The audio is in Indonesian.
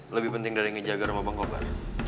lebih penting dari ngejaga rumah bang kobar